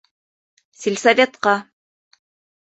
Сельсоветҡа.